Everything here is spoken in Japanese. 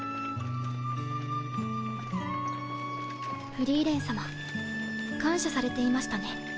フリーレン様感謝されていましたね。